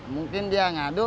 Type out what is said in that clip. mungkin dia ngadu